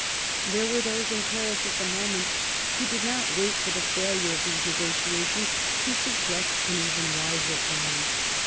There were those in Paris at the moment who did not wait for the failure of these negotiations to suggest an even wiser plan.